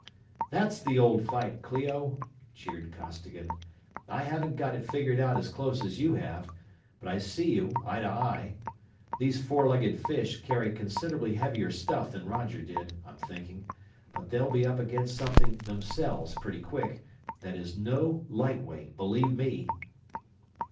"That's the old fight, Clio!" cheered Costigan. "I haven't got it figured out as close as you have, but I see you, eye to eye. These four legged fish carry considerably heavier stuff than Roger did, I'm thinking; but they'll be up against something themselves pretty quick, that is NO light weight, believe me!"